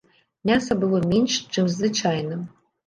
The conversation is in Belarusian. Мяса было менш, чым звычайна.